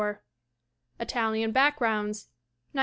Italian Backgrounds, 1905.